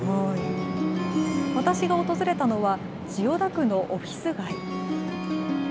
私が訪れたのは千代田区のオフィス街。